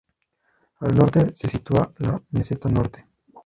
Al norte se sitúa la Meseta Norte.